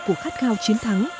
của khát khao chiến thắng